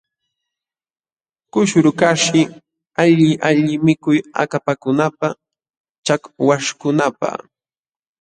Kushurukaqshi alli allin mikuy akapakunapaq chakwaśhkunapaq.